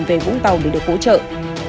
về vũng tàu để được hỗ trợ